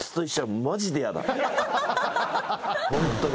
ホントに。